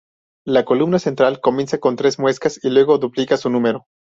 La columna central comienza con tres muescas y luego duplica su número.